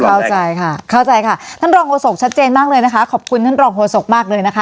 เข้าใจค่ะเข้าใจค่ะท่านรองโฆษกชัดเจนมากเลยนะคะขอบคุณท่านรองโฆษกมากเลยนะคะ